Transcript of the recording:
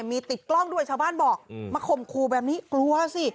มีติดกล้องด้วยชาวบ้านบอกมาข่มขู่แบบนี้กลัวสิ